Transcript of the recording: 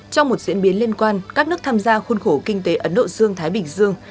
trong một diễn biến liên quan các nước tham gia khuôn khổ kinh tế ấn độ dương thái bình dương